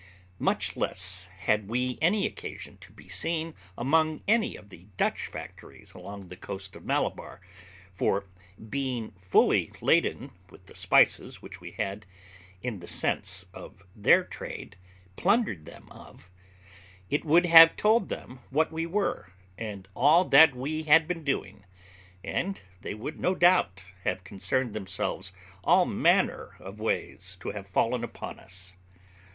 Much less had we any occasion to be seen among any of the Dutch factories upon the coast of Malabar; for, being fully laden with the spices which we had, in the sense of their trade, plundered them of, it would have told them what we were, and all that we had been doing; and they would, no doubt, have concerned themselves all manner of ways to have fallen upon us.